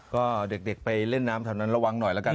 ก็เด็กไปเล่นน้ำแถวนั้นระวังหน่อยแล้วกัน